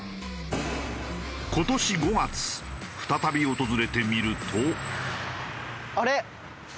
今年５月再び訪れてみると。